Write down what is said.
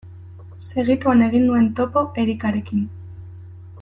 Segituan egin nuen topo Erikarekin.